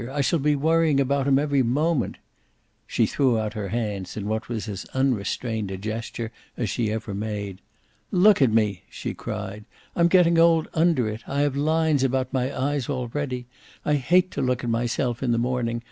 I shall be worrying about him every moment." She threw out her hands in what was as unrestrained a gesture as she ever made. "Look at me!" she cried. "I'm getting old under it. I have lines about my eyes already. I hate to look at myself in the morning.